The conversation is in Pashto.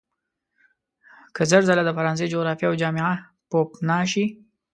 که زر ځله د فرانسې جغرافیه او جامعه پوپناه شي.